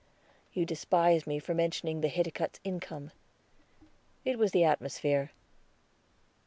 You despised me for mentioning the Hiticutts' income; it was the atmosphere."